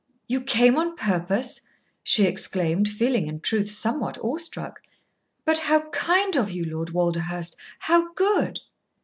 "You came on purpose!" she exclaimed, feeling, in truth, somewhat awe struck. "But how kind of you, Lord Walderhurst how good!"